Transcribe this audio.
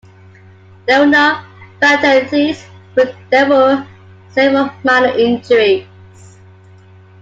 There were no fatalities, but there were several minor injuries.